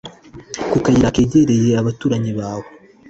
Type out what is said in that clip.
Ku kayira kegereye abaturanyi bawe